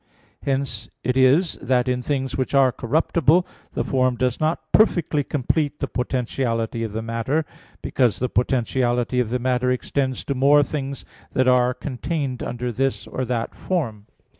Hence it is that in things which are corruptible, the form does not perfectly complete the potentiality of the matter: because the potentiality of the matter extends to more things than are contained under this or that form.